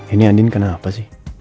ini andien karena apa sih